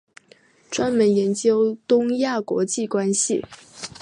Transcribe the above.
专门研究东亚国际关系。